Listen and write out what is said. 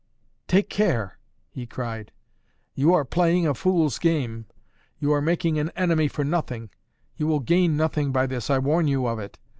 "Take care," he cried. "You are playing a fool's game; you are making an enemy for nothing; you will gain nothing by this, I warn you of it!"